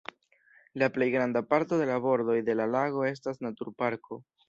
La plejgranda parto de la bordoj de la lago estas naturparko.